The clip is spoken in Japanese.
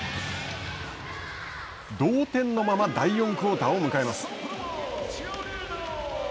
同点のまま第４クオーターを迎えます。